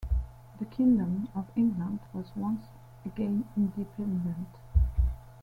The Kingdom of England was once again independent.